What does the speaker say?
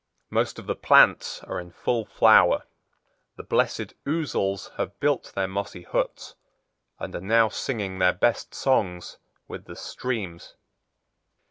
Most of the plants are in full flower. The blessed ouzels have built their mossy huts and are now singing their best songs with the streams.